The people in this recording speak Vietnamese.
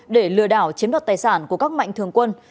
để lừa đảo chiếm đoạt tài sản của các mạnh thường quân